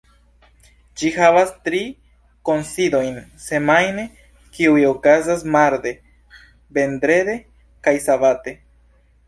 Ĝi havas tri kunsidojn semajne, kiuj okazas marde, vendrede kaj sabate.